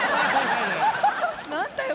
何だよ！